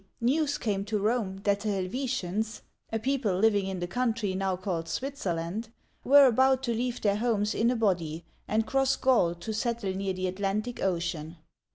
news came to Rome that the Helve' tians — a people living in the country now called Switzerland — were about to leave their homes in a body, and cross Gaul to settle near the Atlantic Ocean.